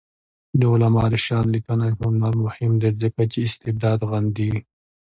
د علامه رشاد لیکنی هنر مهم دی ځکه چې استبداد غندي.